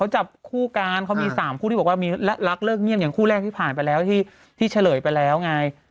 หัวผมว่าคลุการเขามีสามคู่ที่ว่ามีละเลขเรื่องอย่างคู่แรกที่ผ่านไปแล้วที่ที่เสริญไปแล้วไง